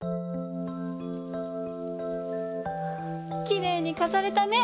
きれいにかざれたね！